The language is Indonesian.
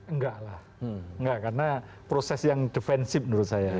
enggak lah enggak karena proses yang defensif menurut saya